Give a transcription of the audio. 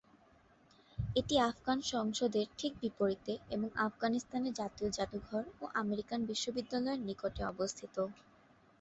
এটি আফগান সংসদের ঠিক বিপরীতে এবং আফগানিস্তানের জাতীয় জাদুঘর ও আমেরিকান বিশ্ববিদ্যালয়ের নিকটে অবস্থিত।